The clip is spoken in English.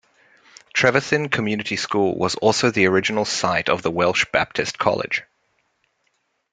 Trevethin Community School was also the original site of the Welsh Baptist College.